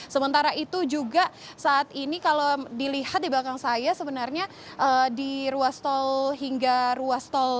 sementara itu juga saat ini kalau dilihat di belakang saya sebenarnya di ruas tol hingga ruas tol